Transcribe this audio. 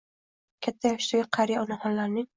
Katta yoshdagi qariya onaxonlarning